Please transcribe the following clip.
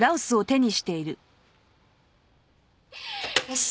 よし。